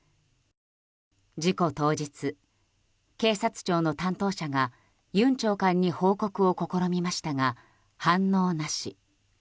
事故当日、警察庁の担当者がユン長官に報告を試みましたが反応なし。